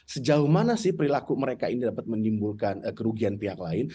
sejauh mana sih perilaku mereka ini dapat menimbulkan kerugian pihak lain